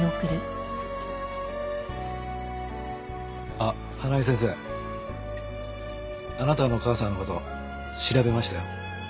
あっ花井先生あなたのお母さんの事調べましたよ。